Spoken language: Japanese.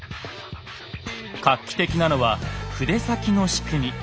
画期的なのは筆先の仕組み。